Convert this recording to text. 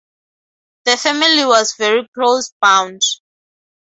The family was very closely bound.